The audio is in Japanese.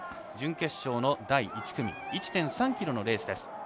準決勝の第１組１．３ｋｍのレースです。